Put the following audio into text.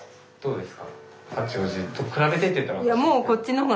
そうですか。